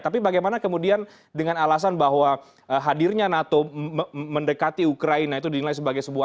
tapi bagaimana kemudian dengan alasan bahwa hadirnya nato mendekati ukraina itu dinilai sebagai sebuah